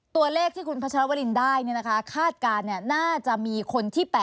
ตัวเลขที่คุณพัชรวรินได้คาดการณ์น่าจะมีคนที่๘